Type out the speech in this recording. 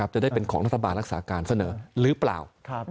จะได้เป็นของรัฐบาลรักษาการเสนอหรือเปล่า